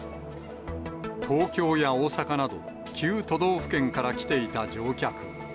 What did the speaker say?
東京や大阪など、９都道府県から来ていた乗客。